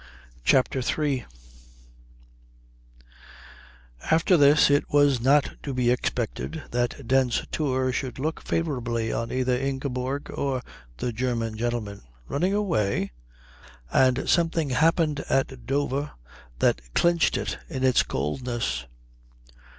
CHAPTER III After this it was not to be expected that Dent's Tour should look favourably on either Ingeborg or the German gentleman. Running away? And something happened at Dover that clinched it in its coldness.